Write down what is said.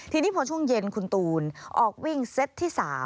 ทีนี้พอช่วงเย็นคุณตูนออกวิ่งเซตที่๓